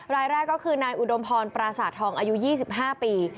รายแรกก็คือนายอุดมพรปราสาททองอายุ๒๕ปี